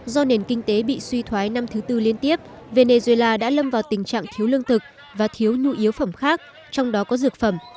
do nền kinh tế bị suy thoái năm thứ tư liên tiếp venezuela đã lâm vào tình trạng thiếu lương thực và thiếu nhu yếu phẩm khác trong đó có dược phẩm